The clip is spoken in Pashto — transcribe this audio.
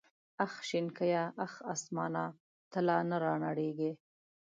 اخ شنکيه اخ اسمانه ته لا نه رانړېږې.